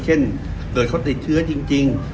เช่นเกิดเขาติดเชื้อจริง